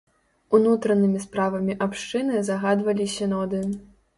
Унутранымі справамі абшчыны загадвалі сіноды.